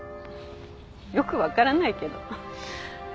よく分からないけど。